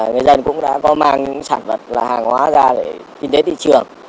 người dân cũng đã có mang những sản phẩm hàng hóa ra để kinh tế thị trường